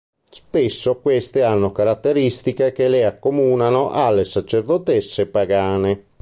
Spesso queste hanno caratteristiche che le accomunano alle sacerdotesse pagane.